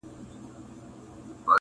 چي راجلا یم له شنو سیندونو -